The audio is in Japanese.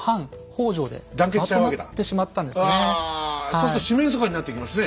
そうすると四面楚歌になってきますね。